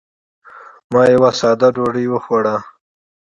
ما یوه ساده ډوډۍ وخوړه.